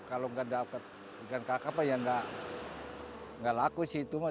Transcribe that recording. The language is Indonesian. kalau nggak dapat ikan kakap ya nggak laku sih itu mah